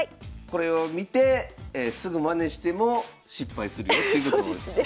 これを見てすぐマネしても失敗するよっていうことですよね。